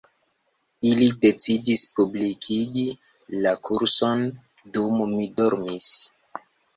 Ili decidis publikigi la kurson dum mi dormis